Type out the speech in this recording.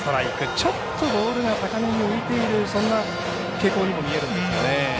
ちょっとボールが高めに浮いている、そんな傾向にも見えるんですかね。